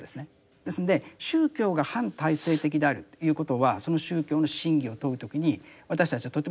ですんで宗教が反体制的であるということはその宗教の真偽を問う時に私たちはとても慎重に判断しなければならない。